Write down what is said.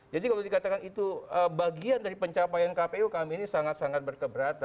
jadi kalau dikatakan itu bagian dari pencapaian kpu kami ini sangat sangat berkeberatan